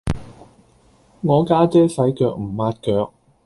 我家姐洗腳唔抹腳